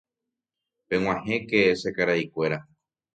peg̃uahẽke che karaikuéra